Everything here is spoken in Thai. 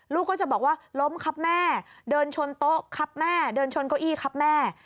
ลูกก็จะบอกว่าล้มครับแม่เดินชนโต๊ะครับแม่เดินชนเก้าอี้ครับแม่